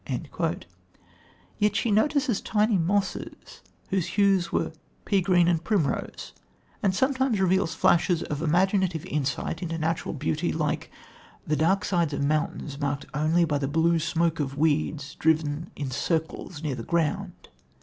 Yet she notices tiny mosses whose hues were "pea green and primrose," and sometimes reveals flashes of imaginative insight into natural beauty like "the dark sides of mountains marked only by the blue smoke of weeds driven in circles near the ground."